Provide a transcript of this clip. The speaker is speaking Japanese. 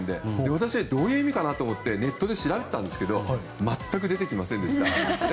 私はどういう意味かなと思ってネットで調べたんですけど全く出てきませんでした。